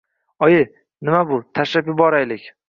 Oyi, nima bu, tashlab yuboraylik.